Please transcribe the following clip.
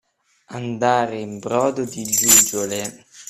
Andare in brodo di giuggiole.